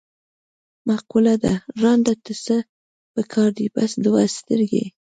مقوله ده: ړانده ته څه په کار دي، بس دوه سترګې.